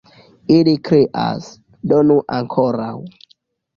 Ili krias: donu ankoraŭ!